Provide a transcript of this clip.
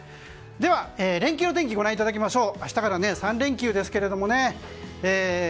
では、連休の天気をご覧いただきましょう。